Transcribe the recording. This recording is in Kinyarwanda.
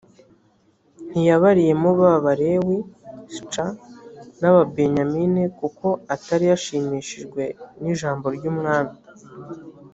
ntiyabariyemo b abalewi c n ababenyamini kuko atari yashimishijwe n ijambo ry umwami